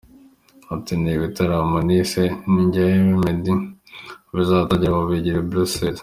Ati “Ni ibitaramo nise ‘Ni Njyewe Meddy’, bizatangirira mu Bubiligi i Bruxelles.